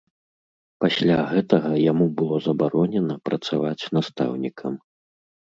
Пасля гэтага яму было забаронена працаваць настаўнікам.